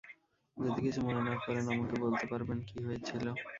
যদি কিছু মনে না করেন আমাকে বলতে পারবেন কী হয়েছিল?